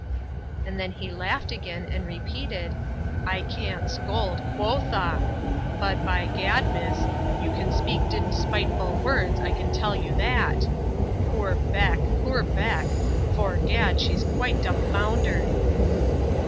—And then he laughed again, and repeated—I can't scold, quoth a! but, by gad, miss, you can speak d——d spiteful words, I can tell you that!—Poor Beck, poor Beck!—'Fore gad, she's quite dumbfoundered!